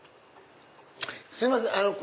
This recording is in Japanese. すいません